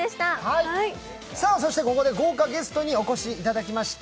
ここで豪華ゲストにお越しいただきました。